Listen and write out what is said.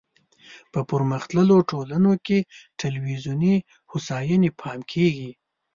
په پرمختللو ټولنو کې ټولنیزې هوساینې پام کیږي.